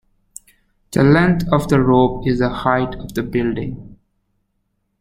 The length of the rope is the height of the building.